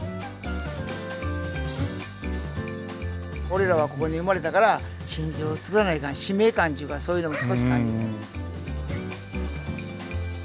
俺らはここに生まれたから真珠を作らないかん使命感ちゅうかそういうのも少し感じる。